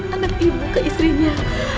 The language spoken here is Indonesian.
anak ibu ke istrinya